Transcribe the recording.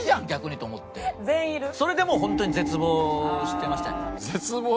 それでもう本当に絶望してましたね。